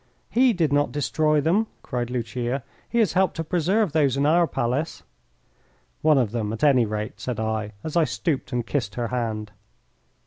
"He did not destroy them," cried Lucia. "He has helped to preserve those in our palace." "One of them, at any rate," said I, as I stooped and kissed her hand.